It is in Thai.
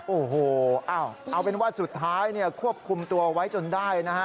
โอ้โหเอาเป็นว่าสุดท้ายควบคุมตัวไว้จนได้นะฮะ